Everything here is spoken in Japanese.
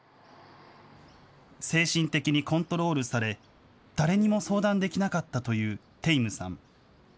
精神的にコントロールされ、誰にも相談できなかったというテイムさん。